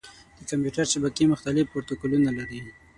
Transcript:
د کمپیوټر شبکې مختلف پروتوکولونه لري.